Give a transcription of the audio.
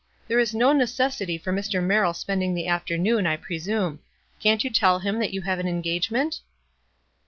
There is no necessity for Mr. Merrill spending the afternoon, I presume. Can't you tell him that you have an engage ment?"